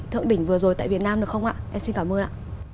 thượng đỉnh vừa rồi tại việt nam được không ạ em xin cảm ơn ạ